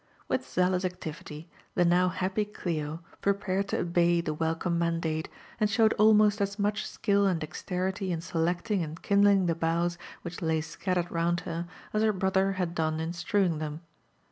With zealous activity, the noW happy tlio prepared to obey the welcome mandate, and showed almost as niuch skill and dexterity in selecting and kindling the boughs which lay scattered round her, atf her brother had done in strewing then^.